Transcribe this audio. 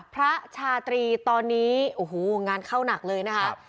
ภาชาตรีตอนนี้อูหูงานเข้าหนักเลยนะครับ